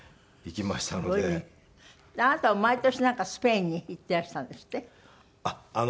あなたは毎年なんかスペインに行っていらしたんですって？